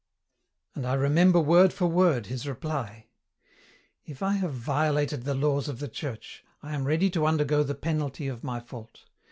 "And I remember word for word his reply, 'If I have violated the laws of the Church, I am ready to undergo the penalty of my fault.